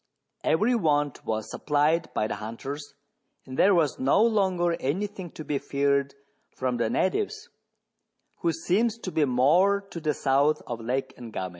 Every want was supplied by the hunters, and there was no longer any thing to be feared from the natives, who seemed to be more to the south of Lake Ngami.